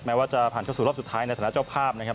ว่าจะผ่านเข้าสู่รอบสุดท้ายในฐานะเจ้าภาพนะครับ